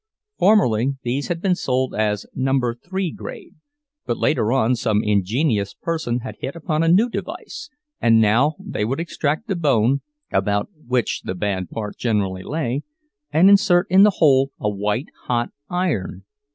Formerly these had been sold as "Number Three Grade," but later on some ingenious person had hit upon a new device, and now they would extract the bone, about which the bad part generally lay, and insert in the hole a white hot iron.